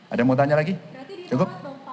ada apaan lagi cukup